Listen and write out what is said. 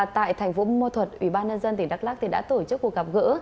tại thành phố mô thuật ủy ban nhân dân tỉnh đắk lắc đã tổ chức cuộc gặp gỡ